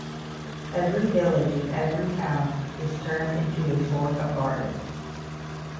Every village and every town is turned into a sort of garden.